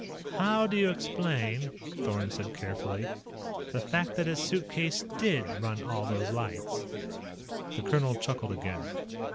"How do you explain," Thorn said carefully, "the fact that his suitcase did run all those lights?" The colonel chuckled again.